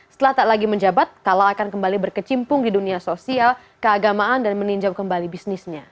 setelah tak lagi menjabat kala akan kembali berkecimpung di dunia sosial keagamaan dan meninjau kembali bisnisnya